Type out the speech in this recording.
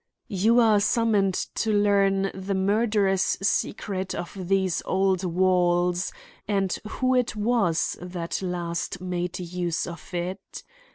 "You are summoned to learn the murderous secret of these old walls, and who it was that last made use of it.